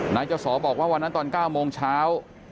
จสอบอกว่าวันนั้นตอน๙โมงเช้า